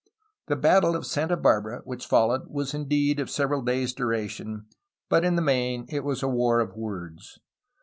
The battle of Santa Barbara which followed was indeed of several days' duration, but, in the main, it was a war of words.